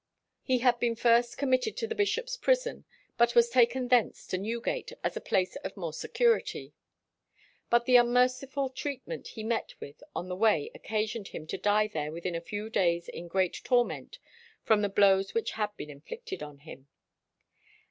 He had been first committed to the Bishop's Prison, but was taken thence to Newgate as a place of more security; "but the unmerciful treatment he met with on the way occasioned him to die there within a few days in great torment from the blows which had been inflicted on him."